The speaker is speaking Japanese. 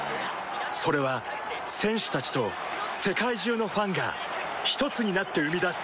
それは選手たちと世界中のファンがひとつになって生み出す